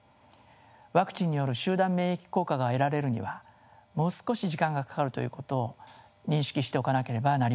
ワクチンによる集団免疫効果が得られるにはもう少し時間がかかるということを認識しておかなければなりません。